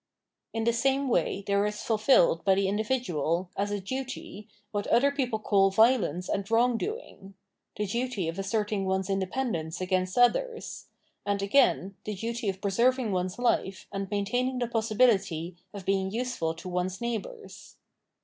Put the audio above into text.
In the same way there is fulfilled by the individual, as a duty, what other people call violence and wrong doing — the duty of asserting one's independence against others : and, again, the duty of preserving one's Kfe, and maintaining the possibility of being useful to one's neighbours.